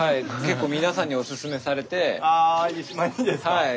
はい。